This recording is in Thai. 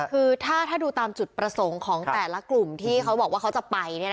คือถ้าดูตามจุดประสงค์ของแต่ละกลุ่มที่เขาบอกว่าเขาจะไป